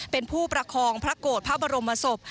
เป็นผู้ประคองพระโกรธพระบรมศพ